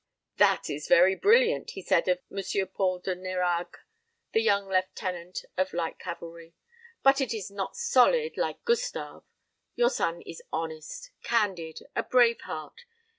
"That is very brilliant," he said of M. Paul de Nérague, the young lieutenant of light cavalry; "but it is not solid, like Gustave. Your son is honest, candid a brave heart.